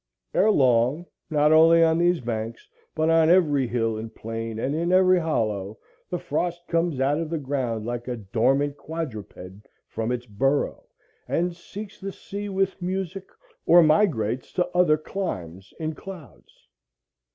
Ere long, not only on these banks, but on every hill and plain and in every hollow, the frost comes out of the ground like a dormant quadruped from its burrow, and seeks the sea with music, or migrates to other climes in clouds.